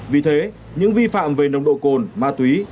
vì thế những vi phạm về nồng độ cồn ma túy